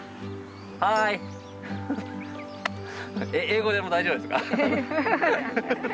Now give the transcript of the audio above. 英語でも大丈夫ですか？